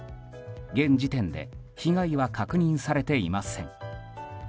現時点で被害は確認されていません。